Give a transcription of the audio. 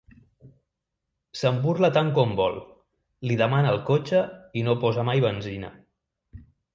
Se'n burla tant com vol: li demana el cotxe i no posa mai benzina.